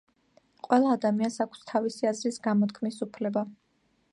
ყველა ადამიანს აქვს თავისი აზრის გამოთქმის უფლება